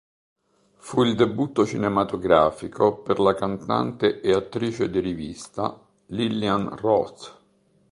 Fu il debutto cinematografico per la cantante e attrice di rivista Lillian Roth.